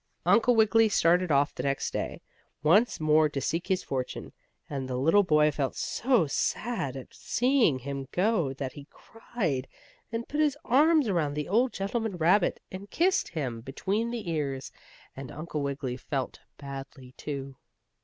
Uncle Wiggily started off the next day, once more to seek his fortune, and the little boy felt so sad at seeing him go that he cried, and put his arms around the old gentleman rabbit, and kissed him between the ears. And Uncle Wiggily felt badly, too.